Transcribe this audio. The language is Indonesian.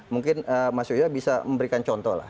mungkin mas yoyo bisa memberikan contoh lah